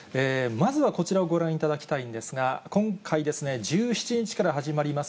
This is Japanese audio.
まずはこちらをご覧いただきたいんですが、今回、１７日から始まります